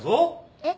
えっ？